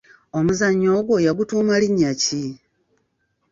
Omuzannyo ogwo yagutuuma linnya ki?